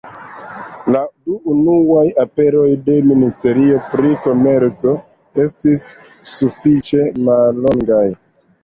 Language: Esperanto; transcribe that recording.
La du unuaj aperoj de ministerio pri komerco estis sufiĉe mallongaj.